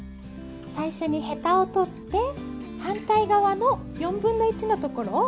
最初にヘタを取って反対側の４分の１のところをカットします。